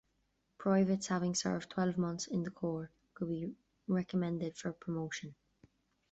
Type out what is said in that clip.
Privates having served twelve months in the Corps could be recommended for promotion.